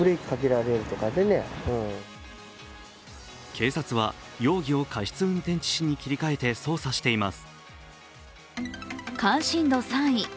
警察は、容疑を過失運転致死に切り替えて捜査しています。